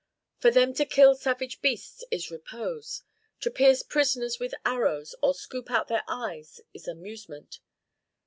For them to kill savage beasts is repose; to pierce prisoners with arrows or scoop out their eyes is amusement.